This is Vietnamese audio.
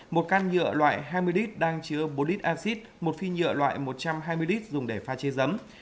một can nhựa loại hai mươi lít đang chứa bốn lít acid một phi nhựa loại một trăm hai mươi lít dùng để pha chế giấm